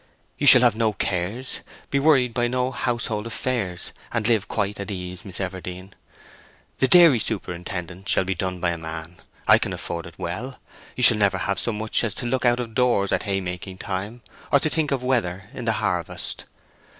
You shall have no cares—be worried by no household affairs, and live quite at ease, Miss Everdene. The dairy superintendence shall be done by a man—I can afford it well—you shall never have so much as to look out of doors at haymaking time, or to think of weather in the harvest.